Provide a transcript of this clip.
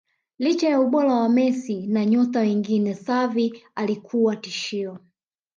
Licha ya ubora wa Messi na nyota wengine Xavi alikuwa tishio